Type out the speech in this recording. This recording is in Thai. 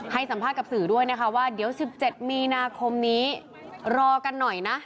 ให้สัมภาษณ์กับสื่อด้วยนะคะว่าเดี๋ยว๑๗มีนาคมนี้รอกันหน่อยนะ